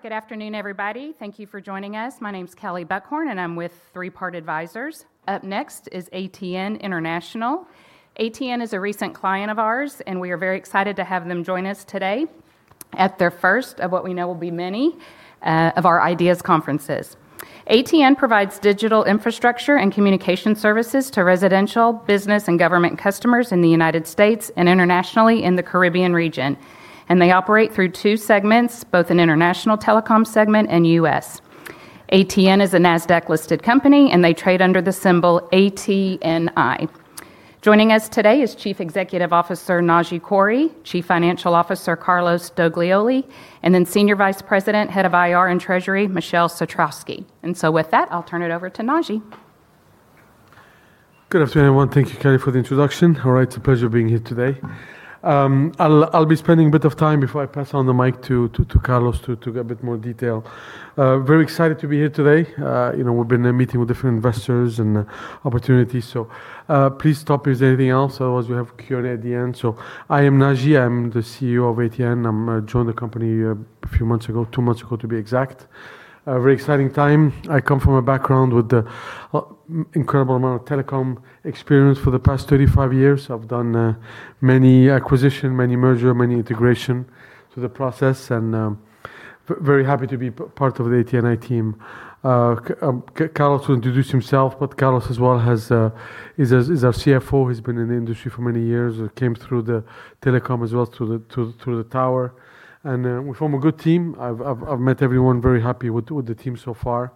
Good afternoon, everybody. Thank you for joining us. My name's Kelley Buchhorn, and I'm with Three Part Advisors. Up next is ATN International. ATN is a recent client of ours, and we are very excited to have them join us today at their first of what we know will be many of our IDEAS conferences. ATN provides digital infrastructure and communication services to residential, business, and government customers in the U.S. and internationally in the Caribbean region. They operate through two segments, both an international telecom segment and U.S. ATN is a Nasdaq-listed company, and they trade under the symbol ATNI. Joining us today is Chief Executive Officer, Naji Khoury, Chief Financial Officer, Carlos Doglioli, and Senior Vice President, Head of IR and Treasury, Michele Satrowsky. With that, I'll turn it over to Naji. Good afternoon, everyone. Thank you, Kelley, for the introduction. It's a pleasure being here today. I'll be spending a bit of time before I pass on the mic to Carlos to give a bit more detail. Very excited to be here today. We've been meeting with different investors and opportunities. Please stop if there's anything else, or as we have Q&A at the end. I am Naji. I'm the CEO of ATN. I joined the company a few months ago, two months ago to be exact. A very exciting time. I come from a background with an incredible amount of telecom experience for the past 35 years. I've done many acquisition, many merger, many integration through the process, and very happy to be part of the ATNI team. Carlos will introduce himself, but Carlos as well is our CFO. He's been in the industry for many years. He came through the telecom as well through the tower. We form a good team. I've met everyone. Very happy with the team so far.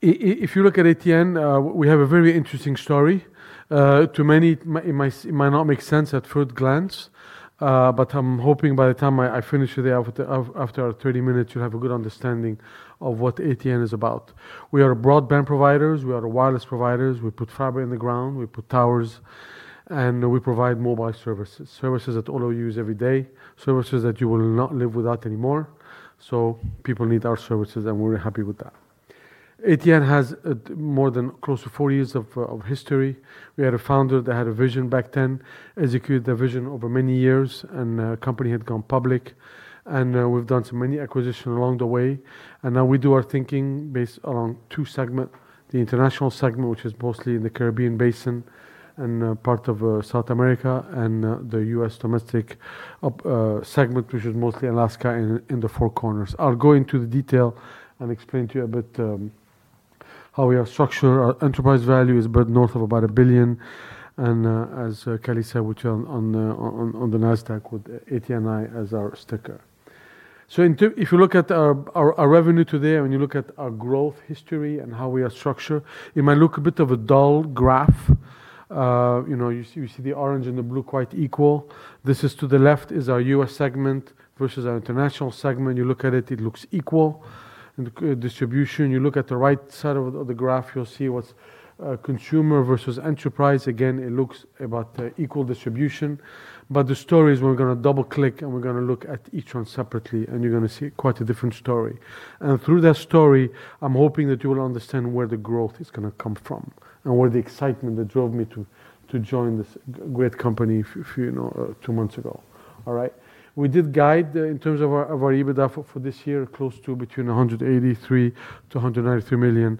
If you look at ATN, we have a very interesting story. To many, it might not make sense at first glance, but I'm hoping by the time I finish today after our 30 minutes, you'll have a good understanding of what ATN is about. We are broadband providers. We are wireless providers. We put fiber in the ground, we put towers, and we provide mobile services that all of you use every day, services that you will not live without anymore. People need our services, and we're happy with that. ATN has close to 40 years of history. We had a founder that had a vision back then, executed the vision over many years, and the company had gone public. We've done so many acquisition along the way. Now we do our thinking based along two segment. The international segment, which is mostly in the Caribbean Basin and part of South America, and the U.S. domestic segment, which is mostly Alaska and the Four Corners. I'll go into the detail and explain to you a bit how we are structured. Our enterprise value is north of about $1 billion, and as Kelley said, we trade on the Nasdaq with ATNI as our sticker. If you look at our revenue today and you look at our growth history and how we are structured, it might look a bit of a dull graph. You see the orange and the blue quite equal. This is to the left is our U.S. segment versus our international segment. You look at it looks equal in distribution. You look at the right side of the graph, you'll see what's consumer versus enterprise. Again, it looks about equal distribution. The story is we're going to double-click, and we're going to look at each one separately, and you're going to see quite a different story. Through that story, I'm hoping that you will understand where the growth is going to come from and where the excitement that drove me to join this great company two months ago. All right. We did guide in terms of our EBITDA for this year, close to between $183 million-$193 million.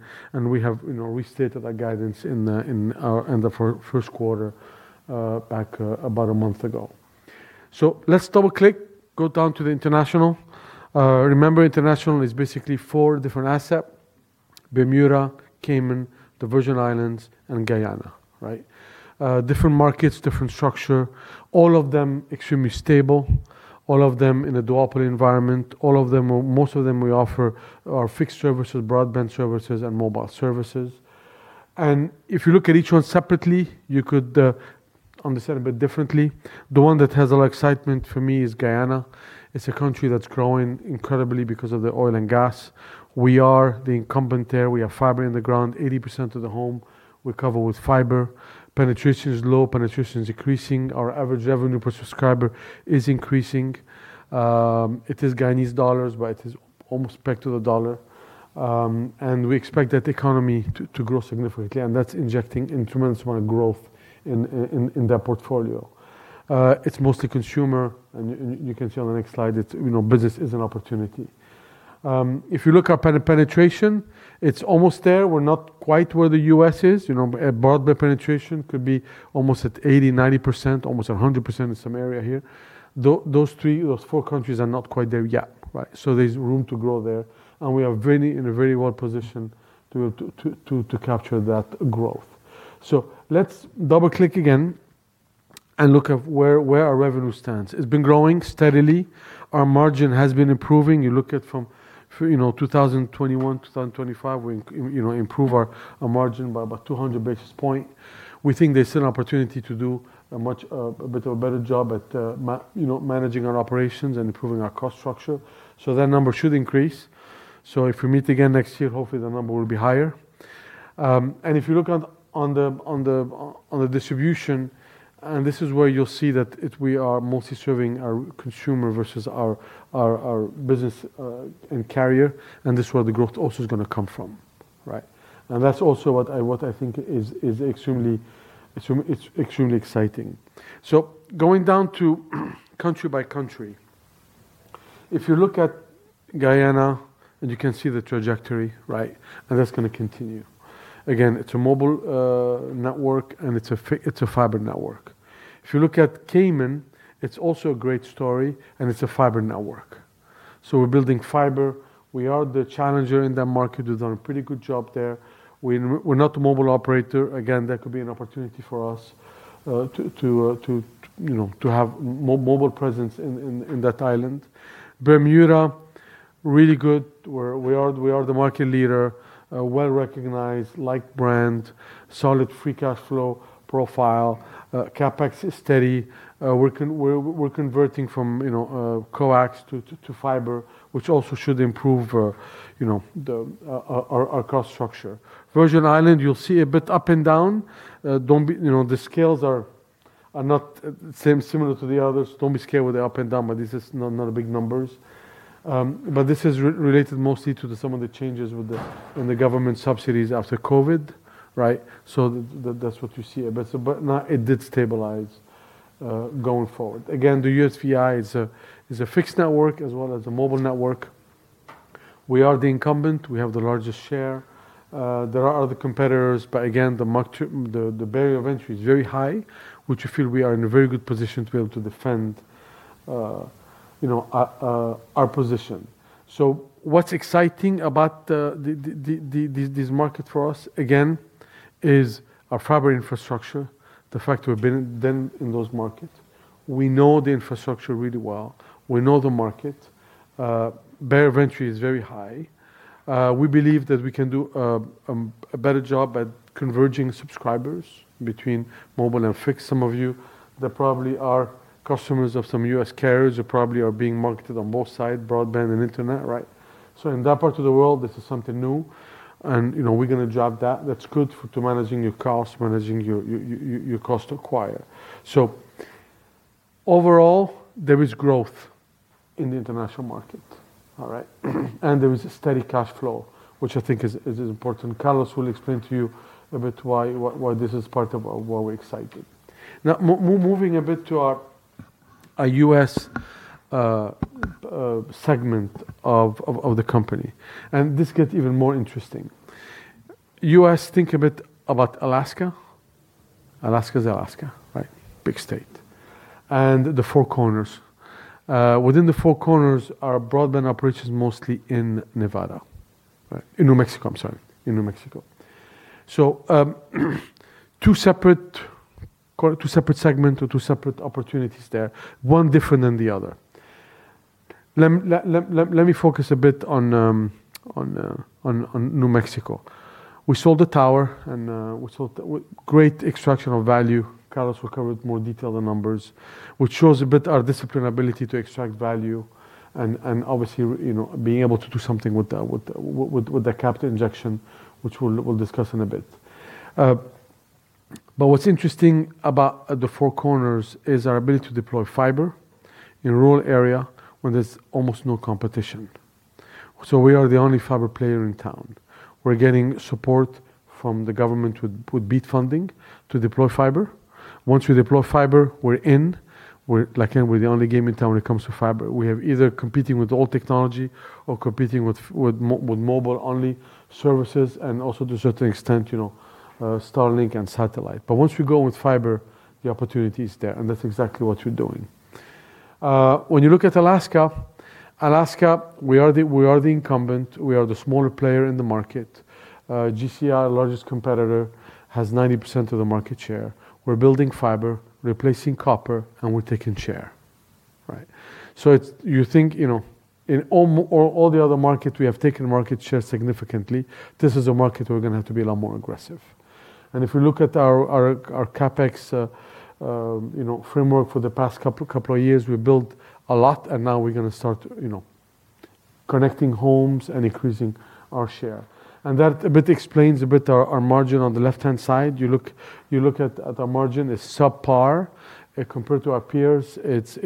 We have restated that guidance in the first quarter, back about a month ago. Let's double-click, go down to the international. Remember, international is basically four different asset. Bermuda, Cayman, the Virgin Islands, and Guyana. Right? Different markets, different structure, all of them extremely stable, all of them in a duopoly environment. All of them or most of them, we offer our fixed services, broadband services, and mobile services. If you look at each one separately, you could understand a bit differently. The one that has a lot of excitement for me is Guyana. It's a country that's growing incredibly because of the oil and gas. We are the incumbent there. We have fiber in the ground. 80% of the home we cover with fiber. Penetration is low. Penetration is increasing. Our average revenue per subscriber is increasing. It is Guyanese dollars, but it is almost pegged to the dollar. We expect that the economy to grow significantly, and that's injecting incremental amount of growth in that portfolio. It's mostly consumer, you can see on the next slide business is an opportunity. If you look up at penetration, it's almost there. We're not quite where the U.S. is. Broadband penetration could be almost at 80%, 90%, almost 100% in some area here. Those four countries are not quite there yet, right? There's room to grow there, and we are in a very well position to capture that growth. Let's double-click again and look at where our revenue stands. It's been growing steadily. Our margin has been improving. You look at from 2021, 2025, we improve our margin by about 200 basis point. We think there's an opportunity to do a much better job at managing our operations and improving our cost structure. That number should increase. If we meet again next year, hopefully that number will be higher. If you look on the distribution, this is where you'll see that we are mostly serving our consumer versus our business and carrier, and this is where the growth also is going to come from. Right. That's also what I think is extremely exciting. Going down to country by country, if you look at Guyana and you can see the trajectory, right, and that's going to continue. Again, it's a mobile network and it's a fiber network. If you look at Cayman, it's also a great story, and it's a fiber network. We're building fiber. We are the challenger in that market. We've done a pretty good job there. We're not a mobile operator. Again, that could be an opportunity for us to have mobile presence in that island. Bermuda, really good. We are the market leader. Well-recognized, liked brand, solid free cash flow profile. CapEx is steady. We're converting from coax to fiber, which also should improve our cost structure. Virgin Islands, you'll see a bit up and down. The scales are not similar to the others. Don't be scared with the up and down, but this is not a big numbers. This is related mostly to some of the changes in the government subsidies after COVID, right? That's what you see a bit. Now it did stabilize going forward. Again, the USVI is a fixed network as well as a mobile network. We are the incumbent. We have the largest share. There are other competitors, but again, the barrier of entry is very high, which we feel we are in a very good position to be able to defend our position. What's exciting about this market for us, again, is our fiber infrastructure, the fact we've been in those markets. We know the infrastructure really well. We know the market. Barrier of entry is very high. We believe that we can do a better job at converging subscribers between mobile and fixed. Some of you that probably are customers of some U.S. carriers, you probably are being marketed on both sides, broadband and internet, right? In that part of the world, this is something new, and we're going to drive that. That's good to managing your costs, managing your cost acquire. Overall, there is growth in the international market, all right? There is a steady cash flow, which I think is important. Carlos will explain to you a bit why this is part of why we're excited. Now moving a bit to our U.S. segment of the company, and this gets even more interesting. U.S., think a bit about Alaska. Alaska is Alaska, right? Big state. The four corners. Within the four corners, our broadband operation is mostly in Nevada. In New Mexico, I'm sorry. In New Mexico. Two separate segments or two separate opportunities there. One different than the other. Let me focus a bit on New Mexico. We sold the tower, and great extraction of value. Carlos will cover with more detail the numbers. Which shows a bit our discipline, ability to extract value, and obviously, being able to do something with the capital injection, which we'll discuss in a bit. What's interesting about the four corners is our ability to deploy fiber in a rural area where there's almost no competition. We are the only fiber player in town. We're getting support from the government with BEAD funding to deploy fiber. Once we deploy fiber, we're in. We're the only game in town when it comes to fiber. We are either competing with old technology or competing with mobile-only services, and also to a certain extent, Starlink and satellite. Once we go with fiber, the opportunity is there, and that's exactly what we're doing. When you look at Alaska, we are the incumbent. We are the smaller player in the market. GCI, our largest competitor, has 90% of the market share. We're building fiber, replacing copper, and we're taking share. You think in all the other markets, we have taken market share significantly. This is a market we're going to have to be a lot more aggressive. If you look at our CapEx framework for the past couple of years, we built a lot, now we're going to start connecting homes and increasing our share. That a bit explains a bit our margin on the left-hand side. You look at our margin is subpar compared to our peers. It's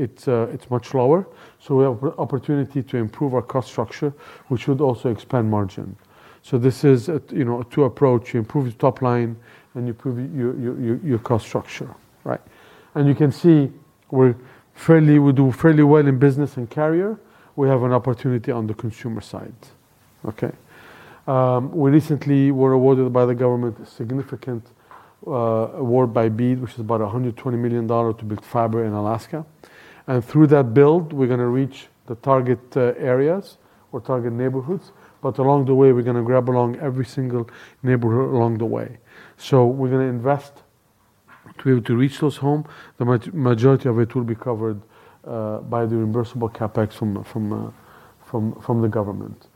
much lower. We have opportunity to improve our cost structure, which would also expand margin. This is a two-approach. You improve your top line and you improve your cost structure. Right. You can see we do fairly well in business and carrier. We have an opportunity on the consumer side. Okay. We recently were awarded by the government a significant award by BEAD, which is about $120 million to build fiber in Alaska. Through that build, we're going to reach the target areas or target neighborhoods, but along the way, we're going to grab along every single neighborhood along the way. We're going to invest to be able to reach those home. The majority of it will be covered by the reimbursable CapEx from the government.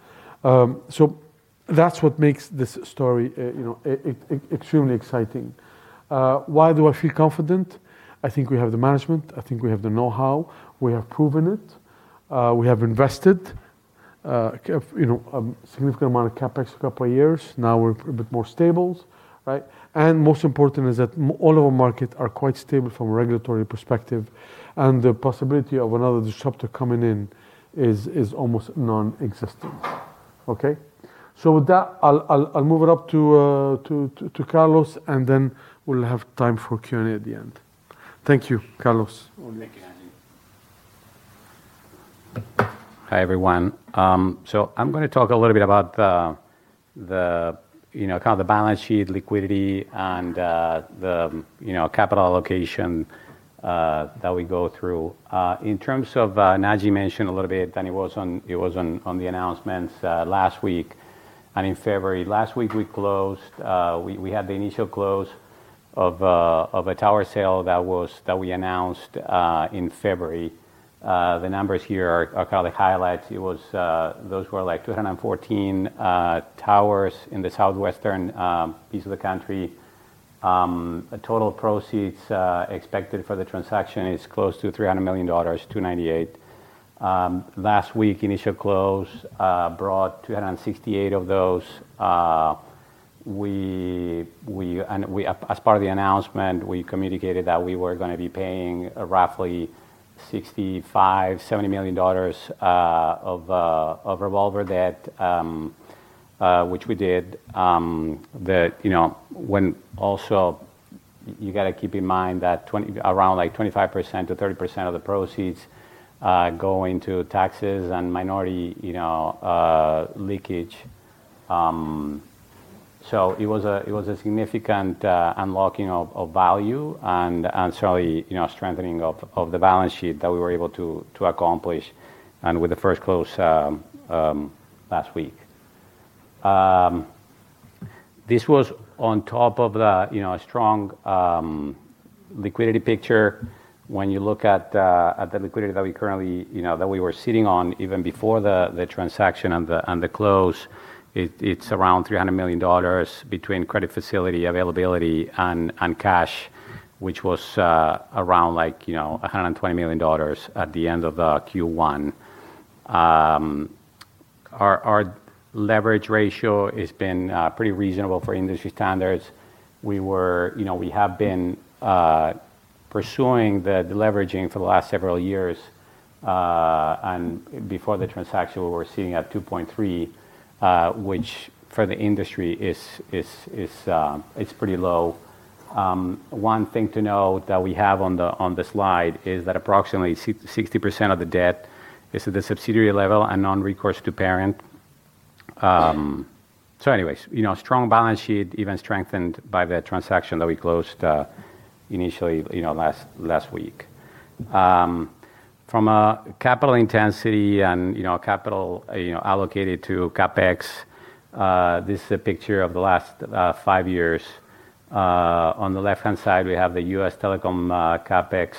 That's what makes this story extremely exciting. Why do I feel confident? I think we have the management. I think we have the know-how. We have proven it. We have invested a significant amount of CapEx a couple of years. Now we're a bit more stable. Right. Most important is that all of our markets are quite stable from a regulatory perspective, and the possibility of another disruptor coming in is almost nonexistent. Okay. With that, I'll move it up to Carlos, and then we'll have time for Q&A at the end. Thank you. Carlos. Thank you, Naji. Hi, everyone. I'm going to talk a little bit about the balance sheet liquidity and the capital allocation that we go through. In terms of, Naji mentioned a little bit, and it was on the announcements last week and in February. Last week, we had the initial close of a tower sale that we announced in February. The numbers here are the highlights. Those were 214 towers in the southwestern piece of the country. Total proceeds expected for the transaction is close to $300 million, $298. Last week, initial close brought $268 of those. As part of the announcement, we communicated that we were going to be paying roughly $65 million-$70 million of revolver debt, which we did. Also, you've got to keep in mind that around 25%-30% of the proceeds go into taxes and minority leakage. It was a significant unlocking of value and certainly, strengthening of the balance sheet that we were able to accomplish, with the first close last week. This was on top of the strong liquidity picture. When you look at the liquidity that we were sitting on even before the transaction and the close, it is around $300 million between credit facility availability and cash. Which was around $120 million at the end of the Q1. Our leverage ratio has been pretty reasonable for industry standards. We have been pursuing the deleveraging for the last several years. Before the transaction, we were sitting at 2.3, which for the industry is pretty low. One thing to note that we have on the slide is that approximately 60% of the debt is at the subsidiary level and non-recourse to parent. Anyways, strong balance sheet, even strengthened by the transaction that we closed initially last week. From a capital intensity and capital allocated to CapEx, this is a picture of the last five years. On the left-hand side, we have the U.S. telecom CapEx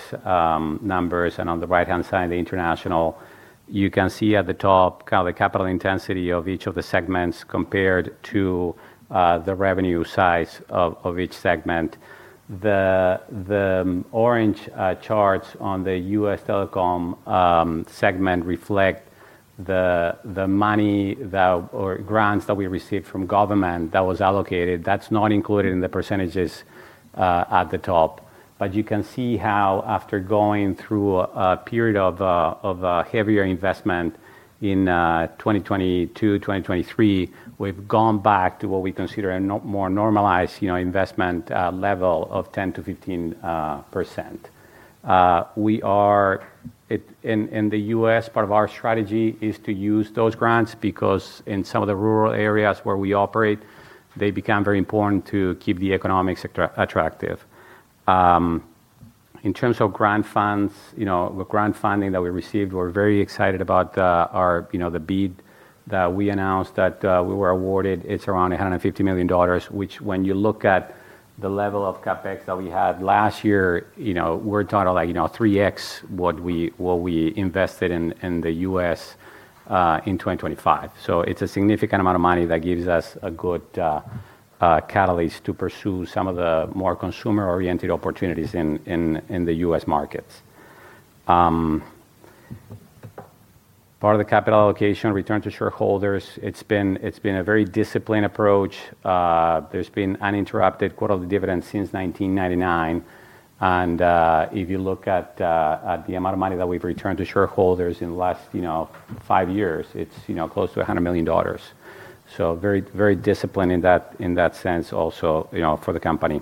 numbers, and on the right-hand side, the international. You can see at the top the capital intensity of each of the segments compared to the revenue size of each segment. The orange charts on the U.S. telecom segment reflect the money or grants that we received from government that was allocated. That is not included in the percentages at the top. You can see how after going through a period of heavier investment in 2022, 2023, we have gone back to what we consider a more normalized investment level of 10%-15%. In the U.S., part of our strategy is to use those grants, because in some of the rural areas where we operate, they become very important to keep the economics attractive. In terms of grant funding that we received, we are very excited about the bid that we announced that we were awarded. It is around $150 million, which when you look at the level of CapEx that we had last year, we are talking about 3x what we invested in the U.S. in 2025. It is a significant amount of money that gives us a good catalyst to pursue some of the more consumer-oriented opportunities in the U.S. markets. Part of the capital allocation return to shareholders, it has been a very disciplined approach. There has been uninterrupted quarterly dividends since 1999. If you look at the amount of money that we have returned to shareholders in the last five years, it is close to $100 million. Very disciplined in that sense also for the company.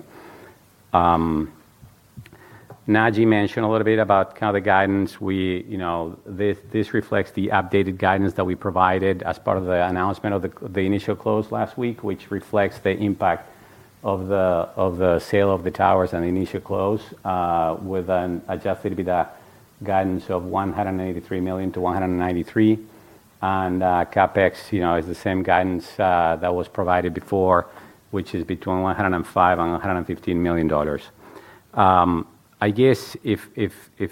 Naji mentioned a little bit about the guidance. This reflects the updated guidance that we provided as part of the announcement of the initial close last week, which reflects the impact of the sale of the towers and the initial close, with an adjusted EBITDA guidance of $183 million-$193 million. CapEx is the same guidance that was provided before, which is between $105 million and $115 million. I guess if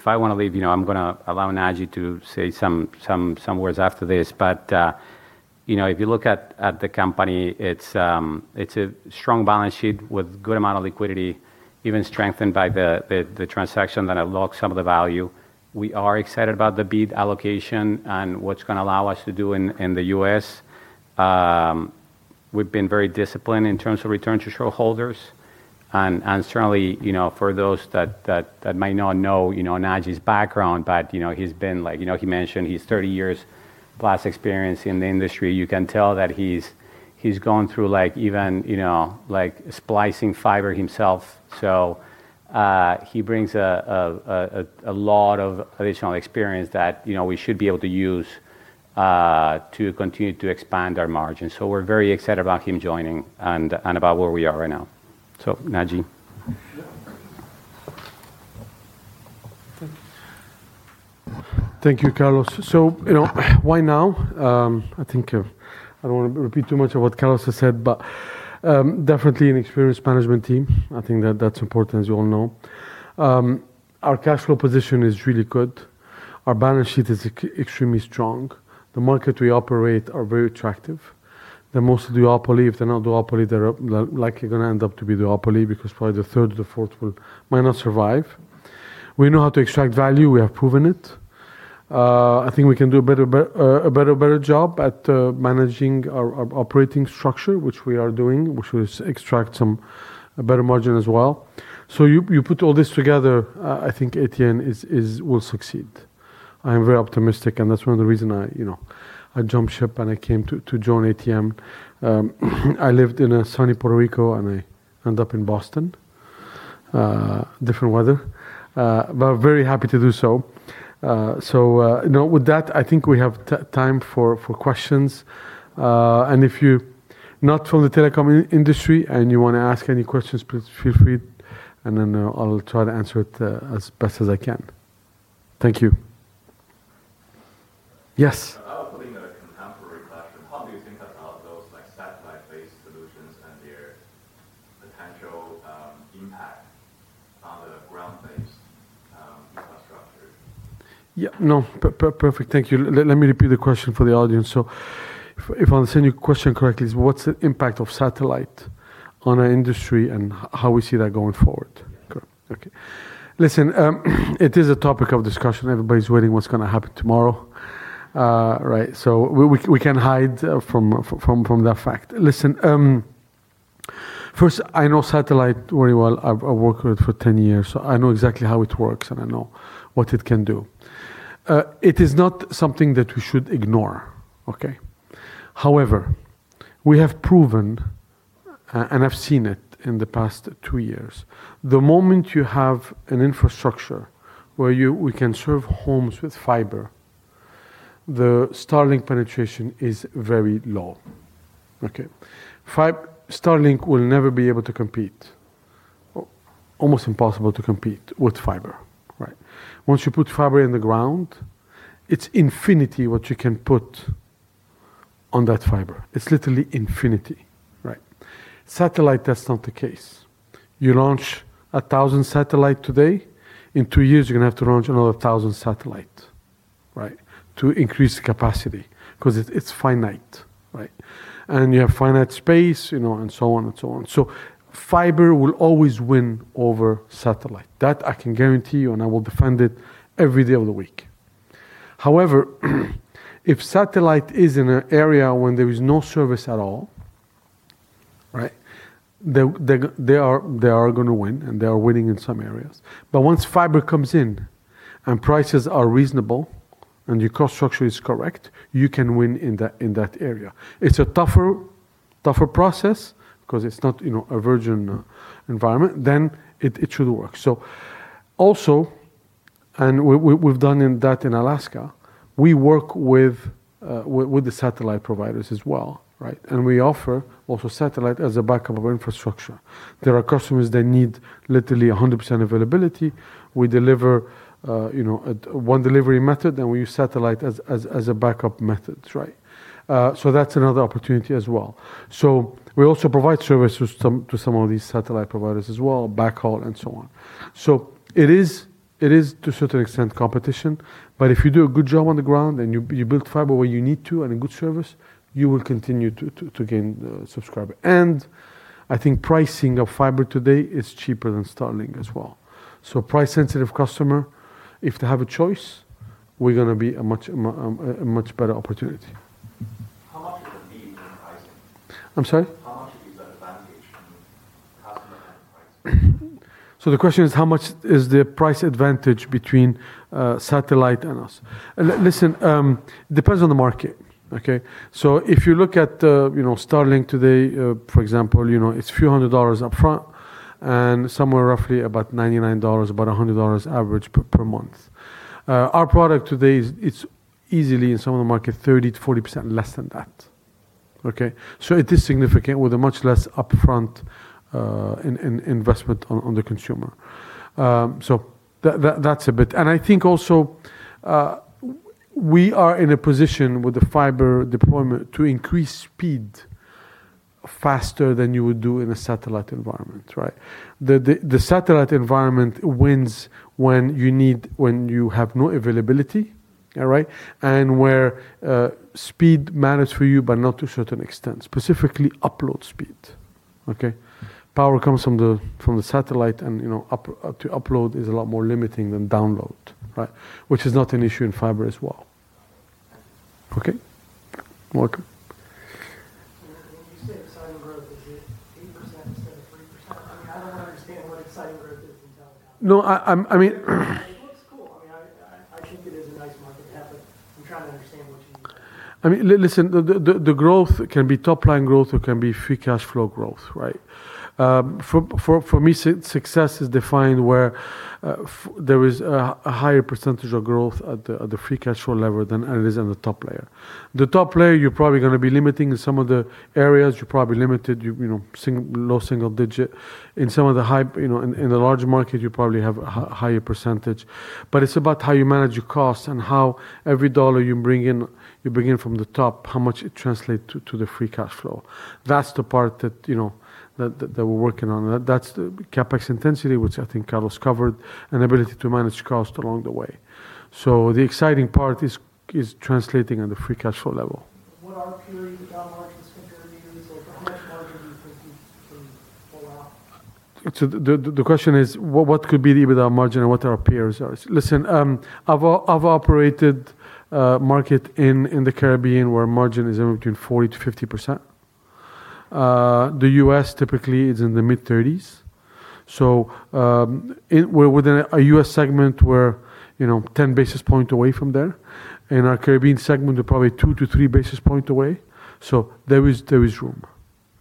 I want to leave, I am going to allow Naji to say some words after this. If you look at the company, it is a strong balance sheet with good amount of liquidity, even strengthened by the transaction that unlocked some of the value. We are excited about the BEAD allocation and what it's going to allow us to do in the U.S. We've been very disciplined in terms of return to shareholders. Certainly, for those that might not know Naji's background, he's been, like he mentioned, he has 30+ years experience in the industry. You can tell that he's gone through even splicing fiber himself. He brings a lot of additional experience that we should be able to use to continue to expand our margins. We're very excited about him joining and about where we are right now. Naji. Thank you, Carlos. Why now? I don't want to repeat too much of what Carlos has said, but definitely an experienced management team. I think that's important, as you all know. Our cash flow position is really good. Our balance sheet is extremely strong. The markets we operate are very attractive. They're mostly duopoly. If they're not duopoly, they're likely going to end up to be duopoly, because probably the third or the fourth will might not survive. We know how to extract value. We have proven it. I think we can do a better job at managing our operating structure, which we are doing, which will extract some better margin as well. You put all this together, I think ATN will succeed. I am very optimistic, and that's one of the reasons I jumped ship, and I came to join ATN. I lived in sunny Puerto Rico, and I end up in Boston. Different weather. Very happy to do so. With that, I think we have time for questions. If you're not from the telecom industry, and you want to ask any questions, please feel free, I'll try to answer it as best as I can. Thank you. Yes. I was putting a contemporary question. What do you think about those satellite-based solutions and their potential impact on the ground-based infrastructure? Yeah. No, perfect. Thank you. Let me repeat the question for the audience. If I understand your question correctly, is what's the impact of satellite on our industry and how we see that going forward? Yeah. Correct. Okay. Listen, it is a topic of discussion. Everybody's waiting what's going to happen tomorrow. Right? We can't hide from that fact. Listen, first, I know satellite very well. I've worked with it for 10 years, I know exactly how it works, and I know what it can do. It is not something that we should ignore. Okay? However, we have proven, and I've seen it in the past two years, the moment you have an infrastructure where we can serve homes with fiber, the Starlink penetration is very low. Okay? Starlink will never be able to compete. Almost impossible to compete with fiber. Once you put fiber in the ground, it's infinity what you can put on that fiber. It's literally infinity. Satellite, that's not the case. You launch 1,000 satellite today, in two years, you're going to have to launch another 1,000 satellite, right, to increase the capacity because it's finite. Right. You have finite space and so on and so on. Fiber will always win over satellite. That I can guarantee you, and I will defend it every day of the week. However, if satellite is in an area where there is no service at all. They are going to win, and they are winning in some areas. Once fiber comes in and prices are reasonable and your cost structure is correct, you can win in that area. It's a tougher process because it's not a virgin environment. It should work. We've done that in Alaska, we work with the satellite providers as well. We offer also satellite as a backup of our infrastructure. There are customers that need literally 100% availability. We deliver one delivery method, we use satellite as a backup method. That's another opportunity as well. We also provide services to some of these satellite providers as well, backhaul and so on. It is to a certain extent competition, if you do a good job on the ground and you build fiber where you need to and a good service, you will continue to gain subscriber. I think pricing of fiber today is cheaper than Starlink as well. Price-sensitive customer, if they have a choice, we're going to be a much better opportunity. How much is it being in pricing? I'm sorry? How much is that advantage in customer pricing? The question is how much is the price advantage between satellite and us? Listen, depends on the market. Okay? If you look at Starlink today, for example, it's a few hundred dollars up front and somewhere roughly about $99, about $100 average per month. Our product today is easily in some of the market, 30%-40% less than that. It is significant with a much less upfront investment on the consumer. That's a bit. I think also, we are in a position with the fiber deployment to increase speed faster than you would do in a satellite environment? The satellite environment wins when you have no availability. All right? Where speed matters for you, but not to a certain extent, specifically upload speed. Power comes from the satellite, and to upload is a lot more limiting than download? Which is not an issue in fiber as well. Okay. Welcome. When you say exciting growth, is it 8% instead of 3%? I don't understand what exciting growth is from telcos. No, I mean. It looks cool. I think it is a nice market to have, but I'm trying to understand what you mean by that. Listen, the growth can be top-line growth or can be free cash flow growth, right? For me, success is defined where there is a higher percentage of growth at the free cash flow level than it is on the top layer. The top layer, you're probably going to be limiting some of the areas. You're probably limited, low single digit. In the larger market, you probably have a higher percentage. It's about how you manage your cost and how every dollar you bring in from the top, how much it translates to the free cash flow. That's the part that we're working on. That's the CapEx intensity, which I think Carlos covered, and ability to manage cost along the way. The exciting part is translating at the free cash flow level. What are periods without margin security and how much margin do you think you can pull out? The question is what could be with our margin and what our peers are. Listen, I've operated a market in the Caribbean where margin is in between 40%-50%. The U.S. typically is in the mid-30s. We're within a U.S. segment where 10 basis point away from there, and our Caribbean segment is probably two to three basis point away. There is room.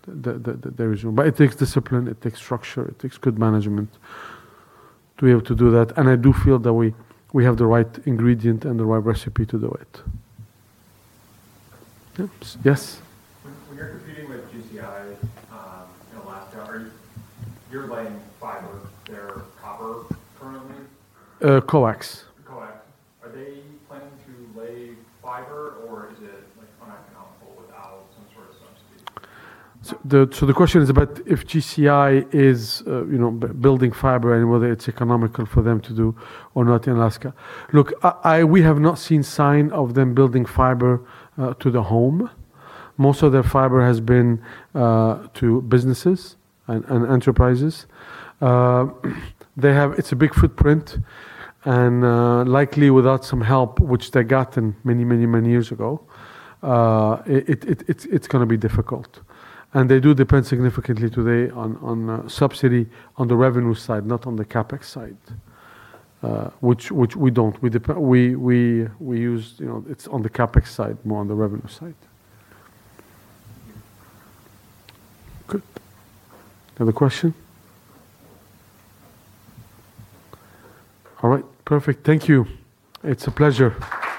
It takes discipline, it takes structure, it takes good management to be able to do that, and I do feel that we have the right ingredient and the right recipe to do it. Yes. When you're competing with GCI in Alaska, you're laying fiber, they're copper currently? Coax. Coax. Are they planning to lay fiber, or is it uneconomical without some sort of subsidy? The question is about if GCI is building fiber and whether it's economical for them to do or not in Alaska. Look, we have not seen sign of them building fiber to the home. Most of their fiber has been to businesses and enterprises. It's a big footprint, and likely without some help, which they gotten many years ago, it's going to be difficult. They do depend significantly today on subsidy on the revenue side, not on the CapEx side. Which we don't. It's on the CapEx side more than the revenue side. Good. Another question? All right. Perfect. Thank you. It's a pleasure. Bye-bye.